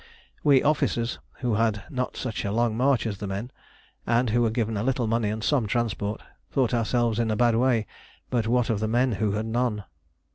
We officers, who had not such a long march as the men, and who were given a little money and some transport, thought ourselves in a bad way. But what of the men who had none?